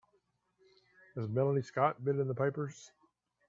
Has Melanie Scott been in the papers?